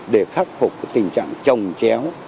để khắc phục tình trạng trồng chéo